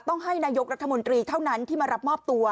ต้องให้นายกรัฐมนตรีเท่านั้นที่มารับมอบตัว